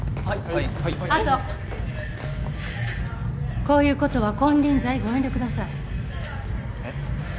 はいあとこういうことは金輪際ご遠慮くださいえっ？